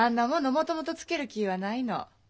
もともとつける気はないの。